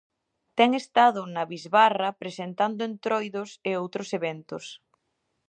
Ten estado na bisbarra presentando Entroidos e outros eventos.